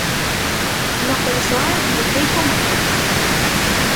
No persoal medrei como nunca.